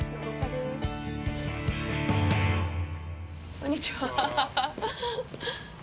こんにちは。